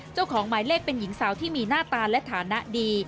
เจ้าของหมายเลขเป็นหญิงสาวที่มีหน้าตาและฐานะดี